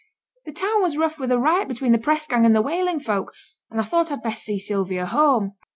'The town was rough with a riot between the press gang and the whaling folk; and I thought I'd best see Sylvia home.'